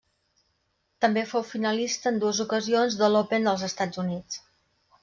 També fou finalista en dues ocasions de l'Open dels Estats Units.